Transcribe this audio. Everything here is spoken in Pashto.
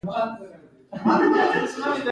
د انصاف لپاره څه شی اړین دی؟